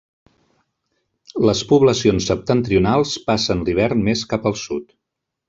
Les poblacions septentrionals passen l'hivern més cap al sud.